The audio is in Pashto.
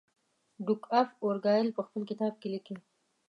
ډوک آف ارګایل په خپل کتاب کې لیکي.